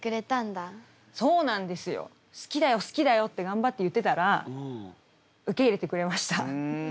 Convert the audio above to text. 「好きだよ好きだよ」って頑張って言ってたら受け入れてくれました。